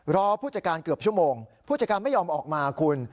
รอผู้จัดการเกือบชั่วโมงผู้จัดการไม่ยอมออกมาคุณ